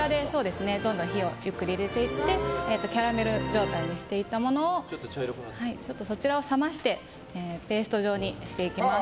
ゆっくり火を入れていってキャラメル状態にしていたものをそちらを冷ましてペースト状にしていきます。